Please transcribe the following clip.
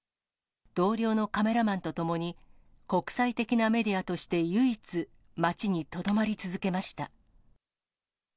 同僚のカメラマンと共に、国際的なメディアとして唯一、街にとどまり続けました。